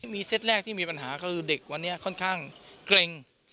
มีเซตแรกที่มีปัญหาคือเด็กวันนี้ค่อนข้างเกร็ง